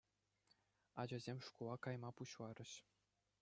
Ачасем шкула кайма пуҫларӗҫ.